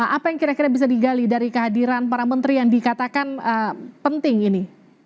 apa yang kira kira bisa digali dari kehadiran para menteri yang dikatakan penting ini